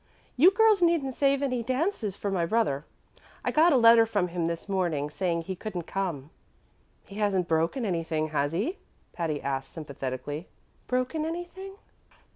"You girls needn't save any dances for my brother. I got a letter from him this morning saying he couldn't come." "He hasn't broken anything, has he?" Patty asked sympathetically. "Broken anything?"